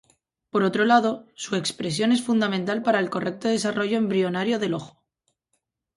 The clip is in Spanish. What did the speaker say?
Por otro lado, su expresión es fundamental para el correcto desarrollo embrionario del ojo.